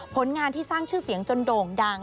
ผลงานที่สร้างชื่อเสียงจนโด่งดัง